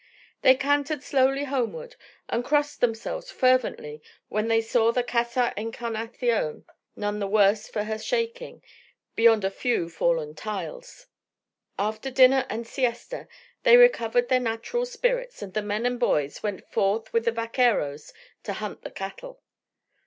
They cantered slowly homeward, and crossed themselves fervently when they saw the Casa Encarnacion none the worse for her shaking, beyond a few fallen tiles. After dinner and siesta they recovered their natural spirits, and the men and boys went forth with the vaqueros to hunt the cattle.